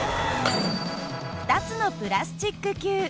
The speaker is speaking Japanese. ２つのプラスチック球。